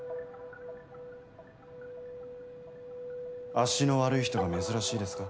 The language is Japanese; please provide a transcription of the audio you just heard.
足の悪い人が珍しいですか？